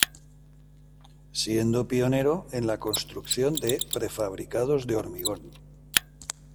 Siendo pionero en la construcción de prefabricados de hormigón.